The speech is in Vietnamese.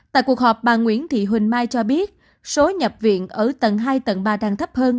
tại cuộc họp bà nguyễn thị huỳnh mai cho biết số nhập viện ở tầng hai tầng ba đang thấp hơn